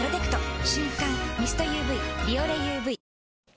瞬感ミストＵＶ「ビオレＵＶ」